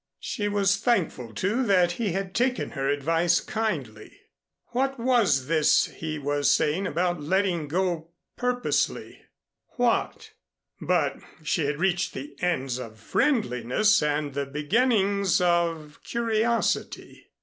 She was thankful, too, that he had taken her advice kindly. What was this he was saying about letting go purposely. What but she had reached the ends of friendliness and the beginnings of curiosity.